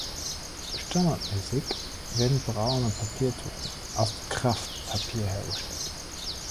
Standardmäßig werden braune Papiertüten aus Kraftpapier hergestellt.